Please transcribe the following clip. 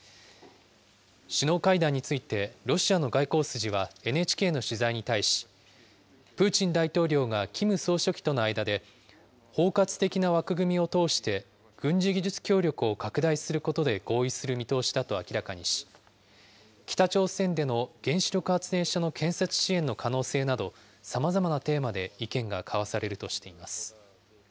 首脳会談についてロシアの外交筋はＮＨＫの取材に対し、プーチン大統領がキム総書記との間で、包括的な枠組みを通して軍事技術協力を拡大することで合意する見通しだと明らかにし、北朝鮮での原子力発電所の建設支援の可能性など、さまざまなテーマで意見が交わされるとしています。